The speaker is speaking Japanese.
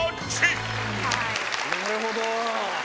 なるほど。